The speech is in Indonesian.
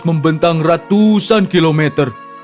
membentang ratusan kilometer